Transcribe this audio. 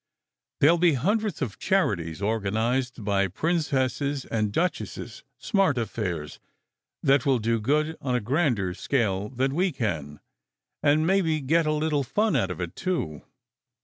There ll be hundreds of charities organized by princesses and duchesses, smart affairs that will do good on a grander scale than we can, and maybe get a little fun out of it, too.